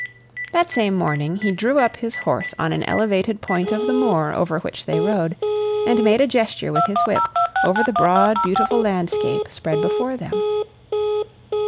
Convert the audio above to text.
That same morning he drew up his horse on an elevated point of the moor over which they rode, and made a gesture with his whip, over the broad, beautiful landscape spread before them.